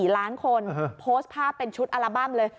๔ล้านคนโพสต์ภาพเป็นชุดอัลบั้มเลย